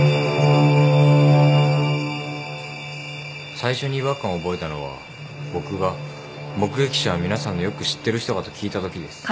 最初に違和感を覚えたのは僕が目撃者は皆さんのよく知ってる人かと聞いたときです。